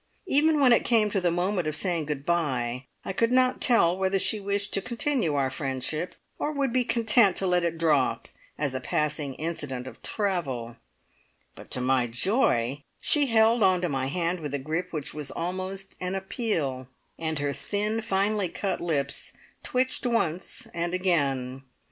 Even when it came to the moment of saying good bye, I could not tell whether she wished to continue our friendship, or would be content to let it drop as a passing incident of travel; but to my joy she held on to my hand with a grip which was almost an appeal, and her thin, finely cut lips twitched once and again.